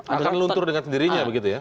akan luntur dengan sendirinya begitu ya